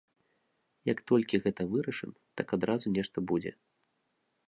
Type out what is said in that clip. Як толькі гэта вырашым, так адразу нешта будзе.